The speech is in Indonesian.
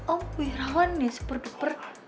om wihrawan yang super duper